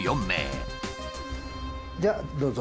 じゃあどうぞ。